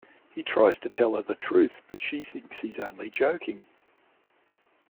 He tries to tell her the truth, but she thinks he's only joking.